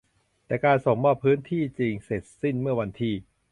แต่การส่งมอบพื้นที่จริงเสร็จสิ้นเมื่อวันที่